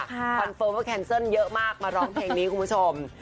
คอนเฟิร์มว่าแคนเซิลเยอะมากมาร้องเพลงนี้คุณผู้ชม